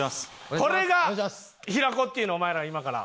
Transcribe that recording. これが平子っていうのをお前らに今から。